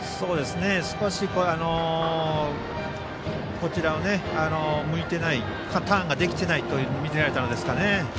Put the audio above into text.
少しこちらを向いていないターンができていないと見られたんでしょうかね。